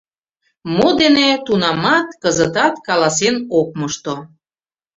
Мо дене — тунамат, кызытат каласен ок мошто.